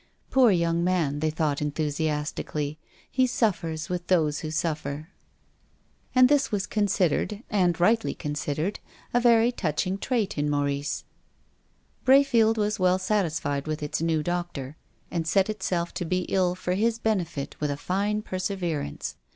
Poor young man, they thought enthusiastically, he suffers with those who suflcr. And this was l88 TONGUKS OF CONSCIENCE. considered — and rightly considered — a very touch ing trait in Maurice. Brayfield was well satisfied with its new doctor, and set itself to be ill for his benefit with a fine perseverance.